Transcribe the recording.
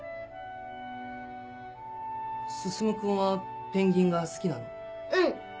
進君はペンギンが好きなの？